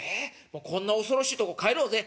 もうこんな恐ろしいところ帰ろうぜ」。